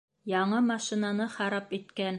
Яңы машинаны харап иткән!